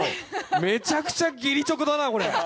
めちゃくちゃ義理チョコだな、これ。